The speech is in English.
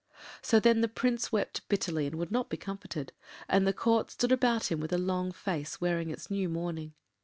So then the Prince wept bitterly, and would not be comforted, and the Court stood about him with a long face, wearing its new mourning.